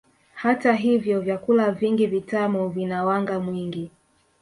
Hata hivyo vyakula vingi vitamu vina wanga mwingi